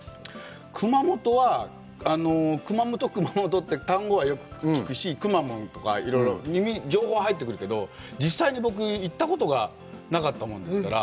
熊本は、熊本、熊本って、単語はよく聞くし、くまモンとかいろいろ情報は入ってくるけど、実際に僕、行ったことがなかったもんですから。